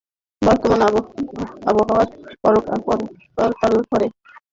বর্তমান আবহাওয়ার পরতাল করে, আমরা উড্ডয়নের জন্য অগ্রসর হচ্ছি।